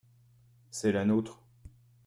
c'est la nôtre.